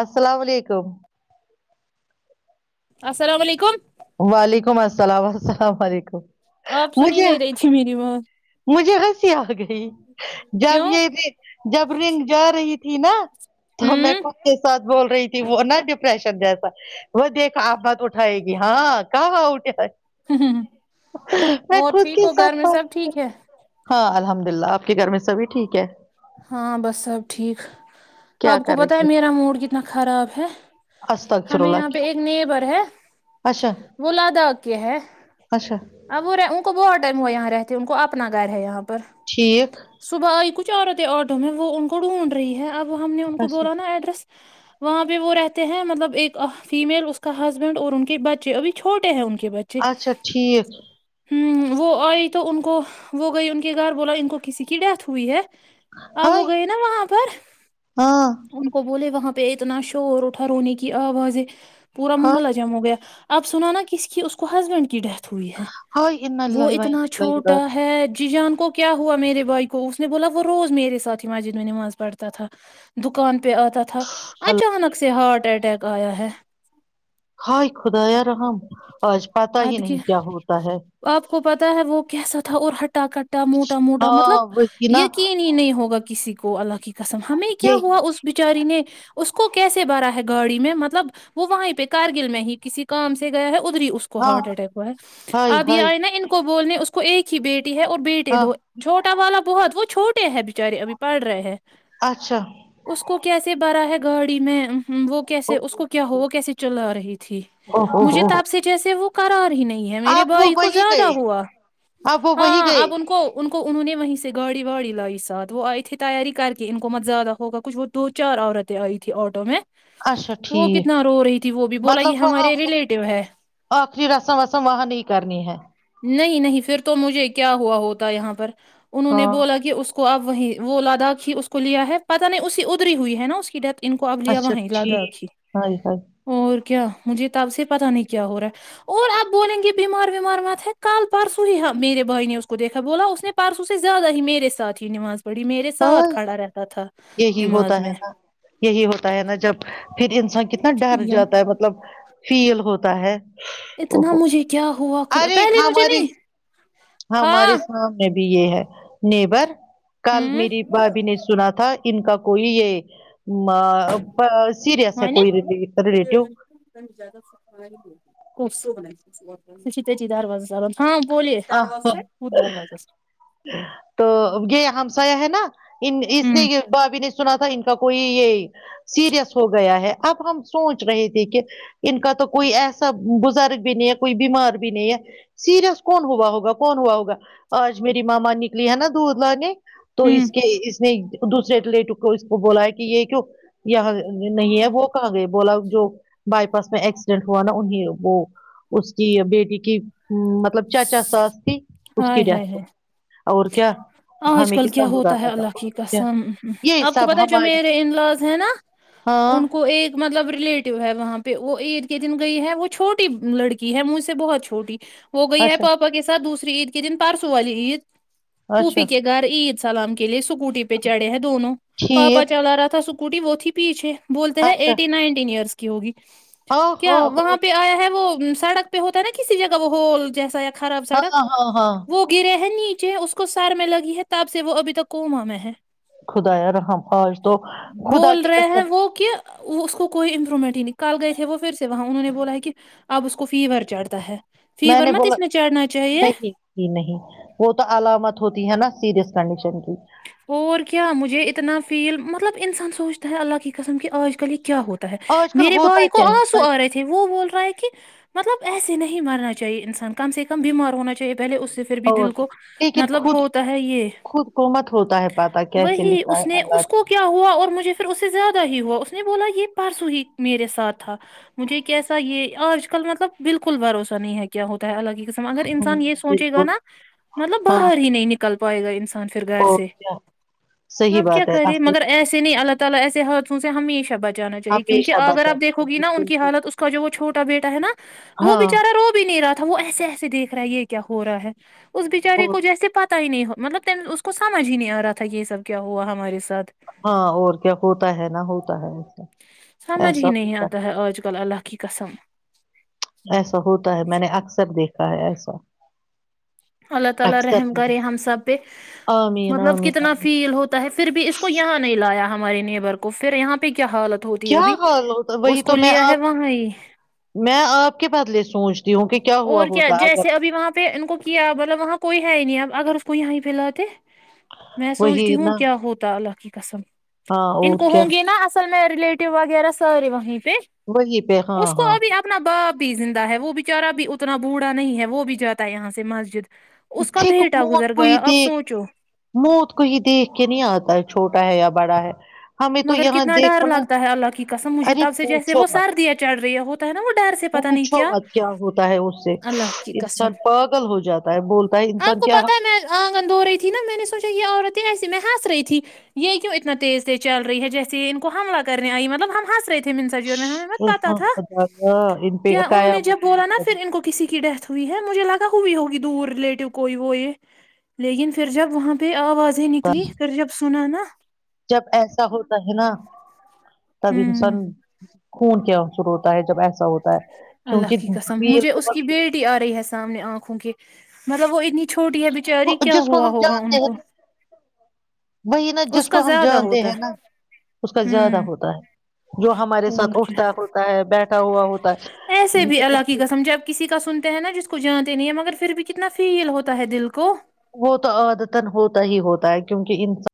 السلام علیکم السلام علیکم وعلیکم السلام السلام علیکم آپ سنی مجھے نہیں رہی تھی میری بات مجھے ہنسی آ گئی جب کیوں یہ جب رنگ جا رہی تھی نا تو میں ہوں خود کے ساتھ بول رہی تھی وہ نہ ڈ شن جیسا وہ دیکھ آپ بات اٹھائے گی ہاں کہ اٹ ہ اور خود ٹھیک کے ہو گھر ساتھ میں سب بات ٹھیک ہے ہاں الحمد للہ آپ کے گھر میں سبھی ٹھیک ہے ہاں بس سب ٹھیک کیا آپ کو کر پت ہے رہے تھے میرا موڈ کتنا خراب ہے استغفر ہمیں اللہ یہاں پہ کیوں ایک نیبر ہے اچھا وہ لدا کے ہے اچھا اب وہ ان کو بتڈر وہ یہاں رہتی ان کو اپنا گھر ہے یہاںہ ٹھیک صبح آ کچ چاروں تھے آٹو میں وہ ان کو ڈھونڈ رہی ہے اب تو وہ ہم نے ان کو اچھا بولا نا ایڈریس وہاں پہ وہ رہتے ہیں مطلب ایک فیمل اس کا ہسبینڈ اور ان کے بچے ابھی چھوٹے ہیں ان کے بچے اچھا ٹھیک وہ آئی تو ان کو وہ گئی ان کے گھر بولا ان کو کسی کی ڈیتھ ہوئی ہے آپ ہائے وہ گئے نا وہاں پر ہاں ان کو بولے وہاں پہ اتنا شور اٹھا رونے کی آوازیں پورا ہائے محلہ جم ہو گیا اب سن نا کس کی اس کو ہسبینڈ کی ڈیتھ ہوئی ہے ہائے انا وہ للہ و انا اتنا الیہ راجعون چھوٹا ہے جی جان کو کیا ہوا میرے بھائی کو اس نے بولا وہ روز میرے ساتھ ہی مسجد میں نماز پڑھتا تھا دکان پہ آتا تھا اچانک سے ہارٹ اٹیک آیا ہے ہائے خدایا رحم آج پت ہی اد کی نہیں کیا ہوتا ہے آپ کو پتا ہے وہ کیسا تھا اور ہٹ ٹ کٹا موٹا موٹا ہاں مطلب وہی نا یہ نہیں ہوگا کسی کو اللہ کی کو کسم ہمیں کیا یہی ہوا اس بچاری نے اس کو کیسے بھرا ہے گاڑی میں مطلب وہ وہیں پہ کارگل میں ہی کسی کام سے گیا ہے ادری اس کو ہاں ہارٹ اٹیک ہوا ہے ہائے آپ یہ ہائے آئے نا ان کو بھی بولنے اس کو ایک ہی بیٹ ہے اور بیٹے ہاں دو چھوٹے والا بہت وہ چھوٹے ہیں بچارے ابھی پڑھ رہے ہیں اچھا اس کو کیسے برا ہے گاڑی میں وہ او کیسے اس کو کیا ہو وہ کیسے چلا رہی تھی او ہو مجھے ہو تپ سے جیسے وہ کرار ہی نہیں ہے میرے آپ وہ بھائی کو وہی زیادہ گئے ہوا آپ وہ وہی گئے ہاں اپ ان کو ان انوں نے وہیں سے گوڑ واڑی لائی ساتھ وہ آئی تھی تیاری کر کے ان کو مت زیادہ ہوگا کچھ وہ دو چار عورتیں آئی تھی آٹو میں اچھا وہ ٹھیک کتنا رو رہی تھی وہ بھی بولا مطلب یہ وہ ہمارے ریلیٹو ہے آخری رسم وسم وہاہانی ہی کرنی ہے نہیں نہیں پھر تو مجھے کیا ہوا ہوتا یہاں پر انہوں نے ہاں بولا کہ اس کو کو اب وہیں وہ لداخ ہی اس کو لیا ہے پتہ نہیں اس ادھری ہوئی ہے نا اس کی ڈیتھ ان کو اب لیا اچھا وہاں لگا ٹھیک آکھی ہائے ہائے اور کیا مجھے تب سے پتا نہیں کیا ہو رہا ہے اور اب بولیں گے بیمار ومار مت ہے کال پرسوں ہیاں میرے بھائی نے اس کو دیکھا بولا اس نے پرسوں سے زیادہ میر ساتھ یہ نواز ہاں یہی ہوتا نماز ہے میں نا یہی ہوتا ہے نا جب پھر انسان کتنا ڈر یم جاتا ہے مطلب فیل ہوتا ہے او اتنا ہو مجھے کیا ہوا خ ارے پہلے مجھے ہماری نہیں ہاں ہمارے سامنے یہ ہے نیبر کل ہوں میری بھابھی نے سنا تھا کن کا کوئی یہ م سیریئس ہے ہن کوئی ریلیٹیو شت جی دروازہ چ ا تو یہ ہمسا ہے نا ان اس نے ہوں بھابھی نے سنا تھا ان کوئی یہ سیریس ہو گیا ہے اب ہم سوچ رہے تھے کہ ان کا تو کوئی ایسا بزرگ بھی نہیں ہے کوئی بیمار بھی نہیں ہے سیریس کون ہوا ہوگا کون ہوا ہوگا آج میری ماما نکلی ہے نا دودھ لانے تو ہوں اس کے اس نے دوسرےٹلٹک کو اس کو بولا ہے کہ یہ کی یہاں نہیں ہے وہ کہاں گئے بولا جو بائی پاس میں ایک ہوا نا انہیں وہ اس کی بیٹی کی مطلب چاچا سا ای [unintelligible] اور کیا آج ہمیں کل کتنا کیا برا ہوتا ہے لگا اللہ کی اور کیا قسم یہ آپ کو سب پت جو ہماری میرے انلاز ہے نا ہاں ان کو ایک مطلب ریلیٹیو ہے وہاںہ پہ وہ عید کے دن گئی ہے وہ چھوٹی لڑکی ہے مجھ سے بہت چھوٹی وہ گئی ہے اچھا پاپا کے سھ دوسرے تر عید کے دن پرسوں والی عید اچھا پوفی کے گھر عید سلام کے لیے س اسکوٹی پہ چڑھے ہے دونوں پاپا ٹھیک چلا رہا تھا س اسکوٹی وت ہی پیچے بولتے ہیں اچھا ایٹی نائنٹین ایئرس کی ہوگی ہاں کیا وہاں ہاں پہ آیا ہے وہ سڑک پہ ہوتا ہے نا کسی جگہ وہ ہو جیسا خراب سڑک ہاں ہاں ہاں وہ گرے ہیں نہیں چھ اس کو سار میں لگی ہے تاپ سے وہ ابھی تک کوما میں ہے خدایا رحم آج تو خدا بول کی رہے ہیں قسم وہ کہ اس کو کوئی ر مٹ ہی نکال گئے تھے وہ پھر سے وہاں انہوں نے بولا ہے کہ اب اس کو فیور چڑھتا ہے میں فیور نے مت بولا اس چڑھنا چاہیے نہیں نہیں وہ تو علامت ہوتی ہے نا سیریئس کنڈیشن کی اور کیا مجھے اتنا فیل مطلب انسان سچتا ہے اللہ کی قسم کی آج کل ایک کیا ہوتا ہے آج کل میرے ہوتا بھائی کو کیا ہے آنسو سچ آ رہے تھے وہ بول رہا ہے کہ مطلب ایسے نہیں مرنا چاہیے انسان کم سے کم بیمار ہونا چاہیے پہلے اس سے پھر بھی اور دل کیا، کو لیکن مطلب خود ہوتا ہے یہ خود کو مت ہوتا ہے پاتا کیسے وہی لکھا اس ہے نے اللہ اس کو کیا ہوا اور مجھے پھر اس سے زیادہ ہی ہوا اس نے بولا یہ پرسوں ہی میرے ساتھ تھا مجھے کیسا یہ آج کل مطلب بالکل بھروسہ نہیں ہے کیا ہوتا ہے الالانگہ م اگر ہوں انسان یہ سوچے گا بالکل نا مطلب ہاں باہر ہی نہیں نکلتا پائے گا انسان [inaudible] اور کیا صحیح بات ہے آج کل تے ہمیشہ بچ جانا چاہیے کیونکہ ہمیشہ اگر آ بچا دیکھو گی نا ان کی بالکل حالت اس کا جو چھٹا بیٹا ہے نا وہ ہاں بےچارا رو بھی نہیں رہاتا تھا وہ ایسے ایسے دیکھ رہا ہے یہ کیا ہو رہا ہے اس بچارے اور کو جیس پ ہی نہیں ہو مطلب اس کو سمجھ ہی نہیں آ رہا تھا یہ سب کیا ہوا ہمارے ساتھ ہاں اور کیا ہوتا ہے نا ہوتا ہے سمجھ ایسا ہی نہیں ہوتا آتا ہے آج کل اللہ کی قسم ایسا ہوتا ہے میں نے اکثر دیکھ کا ہے ایسا [unintelligible] اکثر میں نے آمین آمین آمین ہمارے نیبر کو پھر یہاں پہ کیا حالت ہوتی ہے کیا ابھی حال ہوتا وہی اس کو تو میں لیا ہے آپ وہاں ہی میں آپ کے بدلے سوچ اور کیا جیسے ابھی وہاں پہ ان کو کیا مطلب وہاں کوئی ہے نی آب اگرر اس کو یہاں ہی پ الحاتے میں سوچتی وہی ہوں نا کیا ہوتا الک قسم ہاں [unintelligible] ان اور کو کیا ہوں گی نا اصل میں ریلیٹیو وغیرہ سارے وہیں وہی پہ ہاں اس کو ہاں ابھی اپنا باپ بی زا ہے وہ بچارا بھی اتنا بوڑھا نہیں ہے وہ بھی جاتا ہے یہاں سے مسجد اس کا ٹھیک بیٹا موت گزر کوئی گیا اب دیکھ سوچو موت کوئی دیکھ کے نہیں آتا ہے چھوٹا ہے یاب بڑا ہے [unintelligible] مگر یہاں کتنا ڈر دیکھو نا لگتا ہے اللہ کی قسم مجھے ارے تب سے جیسے پوچھو وہ مت سردیاں چڑھ رہی ہوتا ہے نا وہ ڈر سے پتا نہیں پوچھو کیا مت ہوتا ہے اس سے اللہ کی قسم انسان پاگل ہو جاتا ہے بولتا ہے آپ انسان کو کیا پتاہ ہے میں آنگن د ہو رہی تھی نا میں نے سوچا یہ عورت ایسیے میں ہنس رہی تھی یہ کیوں اتنا تیز تیز چل رہی ہے جیسے ان کو حملہ کرنے آئی مطلب ہم ہنس رہے تھے منس جی میں ہمیں مت پاتا تھا خدایا ان پہ کیا انہوں نے قیامت جب بولا موت نا کرنی۔ پھر ان کو کسی کی ڈیت ہوئی ہے مجھے لگا ہوئی ہوگی دور ریلیٹو کوئی وہ یہ لیکن پھر جب وہاں پہ آپ آاز ہی نکلی پھر جب سنا نا [unintelligible] جب ایسا ہوتا ہے نا تب ہوں انسان [unintelligible] خون کیا سر ہوتا ہے جب ایسا ہوتا ہے اللہ کی کیونکہ قسم ویل مجھے کو اس کی بس- بیٹی آ رہی ہے سامنے آنکھ وں گ مطلب وہ انی [unintelligible] چھوٹی ہے بچاری کیا جس کو ہوا ہم ہوگا ان جانتے ہیں کو نا، وہی نا جس اس کو کا ہم زیادہ جانتے ہوتا ہیں ہے۔ نا اس کا زیادہ ہوں ہوتا ہے جو ہمارے ساتھ اور کیا اٹھتا ہوتا ہے بیٹھا ہوا ہوتا ہے ہے نا جس کو جانتے نہیں ہیں مگر پھر بھی کتنا فیل ہوتا ہے دل کو وہ تو ادتان ہوتا ہی ہوتا ہے کیونکہ انسان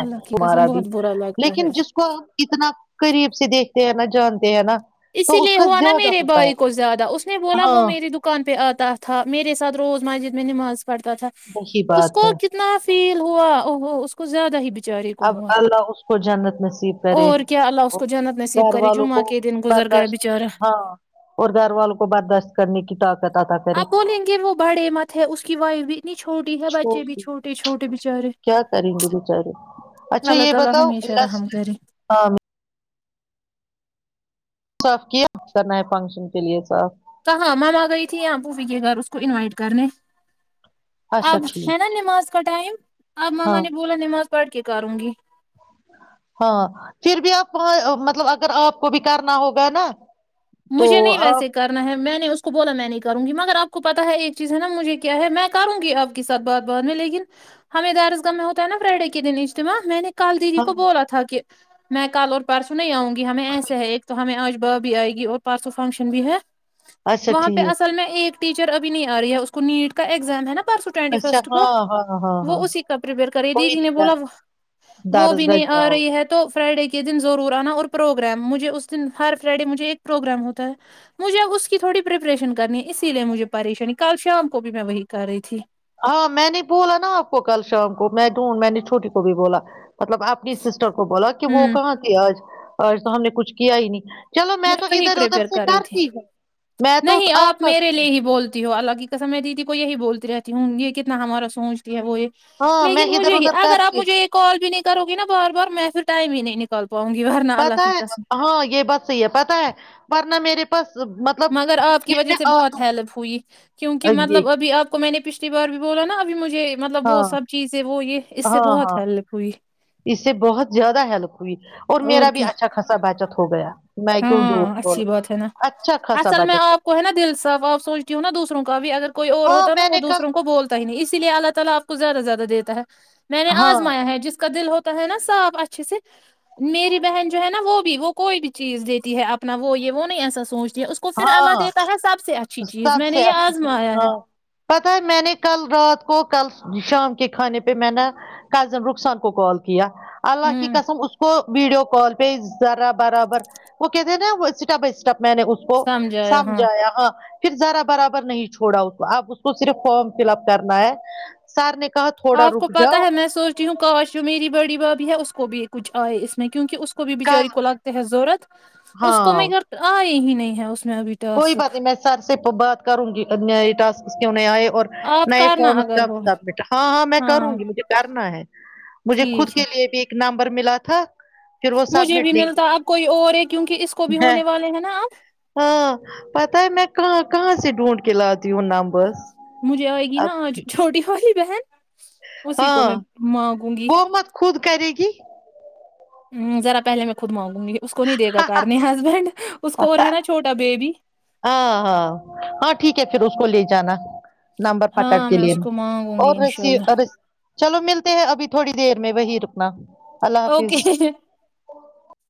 اللہ کی تارا قسم بھی بہت برا لگتا ہے لیکن جس کو ہم اتنا قریب سے دیکھتے ہیں ن جانتے ہےا [unintelligible] اسی لیے ہوا نا میرے بھائی کو زیادہ اس نے بولا وہ ہاں میری دکان پہ آتا ت تھااں میر ساتھ روز مسجد میں نماز پڑتا تھا وہی اس بات کو ہے کتنا فیل ہوا ا ہو اس کو زیادہ ہی ب اب اللہ اس کو جنت نصیب کرے اور کیا اللہ اس کو جنت نصیب گھر کرے والوں جمعہ کو کے دن گزر گیا برداشت بیچارہ ہاں اور گھر والوں کو برداشت کرنے کی طاقت اتاا کرے آپ بولیں گے وہ بڑے مت ہے اس کی وائف بھی اتنی چھوٹی ہے بچے بھی چھوٹے چھوٹے بچارے کیا کریں گے بیچارے اچھا اللہ یہ تعالی بتاؤ ہمیشہ رحم کرے ہاں صاف کیا کرنا ہے فنکشن کے لیے صاف کہاں مام آ گئی تھی یہاںپوفی کے گھر اس کو انوائٹ کرنے اچھا آب ٹھیک ہے نا نم آ ک ٹائم آپ ماما ہاں نے بولا ن م پڑ کے کراروں گی ہاں پھر بھی آپاں مطلب اگر آپ کو بھی کرنا ہوگا نا تو مجھے نہیں آپ ویسے کرنا ہے میں نے اس کو بولا میں نہیں کروں گی مگر آ کو پتا ہے ایک چیز ہے نا مجھے کیا ہے میں کروں گی آپ کےاتھ بات بات میں لیکن ہمیں درسگاہ میں ہوتا ہے نا فرائیڈے کے دن اجتماع میں نے کل د جی ہاں کو بولاا تھا کہ میں کل اور پرسوں نہیں آؤں گی ہمیں ایسے ہیں ایک تو ہمیں آج بھی بھی آئے گی اور پرسو فنگشن بھی ہے اچھا وہاں پہ ٹھیک اصل میں ایک ٹیچر ابھی نہیں آ رہی ہے اس کو نیٹ کا ایگزام ہے نا سو ٹوینٹی اچھا فرسٹ کو ہاں ہاں ہاں وہ ہاں اسی کا پرریپیئر کری کوئی دیدی نہیں نے بولا کر وہ بھی دارس گنج نہیں آ جاؤ رہی ہے تو [unintelligible] پروگرام ہوتا ہے مجھے اس کی تھوڑی پریپریشن کرنی ہے اسی لیے مجھے پریشانی کل شام کو بھی میں وہی کر رہی تھی ہاں میں نے بولا نا آپ کو کل شام کو میں ڈھونڈ میں نے چھوٹی کو بھی بولا مطلب اپنی سسٹر کو بولا کہ وہ ہوں کہاں سے آج اور تو ہم نے کچھ کیا ہی نہیں چلو میں تو وہی ادھر ادھر پرپیئر سے کر رہی تھی کرتی ہوں میں تو نہیں آپ کا میرے لیے ہی بولتی ہو الگ ہی کاسم میں دیدی یہی بولتی رہتی ہوں یہ کتنا ہمارا سوچتی ہے وہ یہ ہاں میں لیکن ادھر مجھے ہی ادھر اگر آپ کرتی مجھے یہ کال بھی نہیں کرو گے نا بار بار میسج ٹائ بھی نہیں نکل پتا ہے ہاں یہ بات صحیح ہے پتا ہے ورنہ میرے پاس مطلب مگر آپ کی وجہ سے بہت ہیلپ ہوئی کیونکہ یہ مطلب ابھی آپ کو میں نے پچھلی بار بھی بولاا اب مجھے یہ مطلب وہ ہاں سب چیزیں وہ یہ اس سے ہاں ہاں بہت ہیلپ ہوئی اس سے بہت زیادہ ہیلپ اور میرا بھی اچھا خصا بچت ہو گیا میں [inaudible] کیوں جھوٹ کو بولوں اچھا خاصا بچت ہو گیا۔ ہاں میں نے کل زیادہ زیادہ دیتا ہے میں نے ہاں آزمایا ہے جس کا دل ہوتا ہے نا صاف اچھے سے میری بہن جو ہے نا وہ وہ کوئی نہیں [unintelligible] چیز دیتی ہے اپنا وہ یہ وہ نہیں ایسا سوچ ہاں چیز سب میں نے سے یہ اچھی چیز آزمایا ہے ہاں پتا ہے میں نے کل رات کو کل شام کے کھانے پہ میں نےا کزن رخسان کو کال کیا اللہ کی ہوں قسم اس کو ویڈیو کال پہ ذرا برابر وہ کہتے ہیں نا اسٹپ بائی اسٹپ میں نے وہ سمج آیا ہاں پھر ذرا برابر نہیں چھوڑا اس تو اب اس کو صرف فارم فل اپ کرنا ہے سار نے کہا تھوڑا آپ کو رک پتاہ جاؤ ہے میں سوچتیی ہوں کاش ہوں میری بڑی بب اس کو بھی کچھ آئے اس میں کیونکہ اس کو کو بھی بچاری کل کو لگتے ہے ضورت اس کو میں ہاں اھر آ ہی [unintelligible] نہیں ہے اس میں ابھی کوئی ٹاسک پتا نہیں میں س سے بات کروں گی ا اسک [unintelligible] اس کے انہ آئے [unintelligible] اور آپ نئے کرنا فارم اگر سب ہو سبمٹ ہاں ہاں میں کروں گی مجھے کرنا ہے مجھے خود ٹھیک کے ہے لیے بھی ایک نام پرر ملا تھا [unintelligible] پھر وہ مجھے سبمٹ بھی ملتا نہیں اب کوئی اور ہے کیونکہ اس کو بھی ہے ہونے والے ہیں نا آپ ہاں میں کہاں کہاں سے ڈھونڈ کے لات دییوں نمبر مجھے آئے گی نا چھوٹی ہوی بہن اسی کو ہاں میں مانگوں گی وہ مت خود کرے گی ذا پہلے میں خود مانگ گ [unintelligible] اس کو نہیں دےھا کار نے ہسبینڈ اس کو اور ہے نا چھوٹا بیبی ہاں ہاں ہاں ٹھیک ہے پھر اس کو لے جانا [unintelligible] نمبر پکڑ ہاں کے میں اس لیے کو مانگوں گی اور انشاء رسی اللہ چلو ملتا ابھی تھوڑی دیر میں وہی رکنا اللہ حافظ اوکے